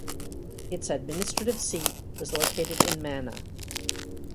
Its administrative seat was located in Mana.